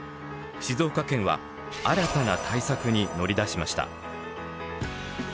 静岡県は新たな対策に乗り出しました。